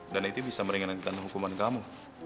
dan itu bisa meringankan hukuman kamu